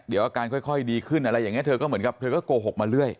เดี๋ยวอาการค่อยดีขึ้นอะไรอย่างนี้เธอก็เหมือนกับเธอก็โกหกมาเรื่อย